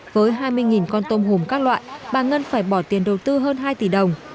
với hai mươi con tôm hùm các loại bà ngân phải bỏ tiền đầu tư hơn hai tỷ đồng